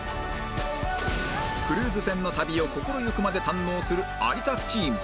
クルーズ船の旅を心ゆくまで堪能する有田チーム